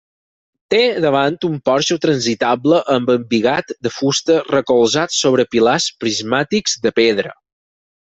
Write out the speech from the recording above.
Té davant un porxo transitable amb embigat de fusta recolzat sobre pilars prismàtics de pedra.